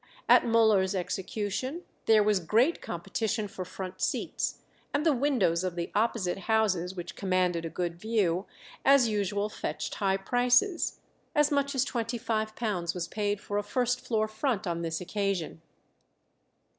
At Müller's execution there was great competition for front seats, and the windows of the opposite houses, which commanded a good view, as usual fetched high prices. As much as £25 was paid for a first floor front on this occasion.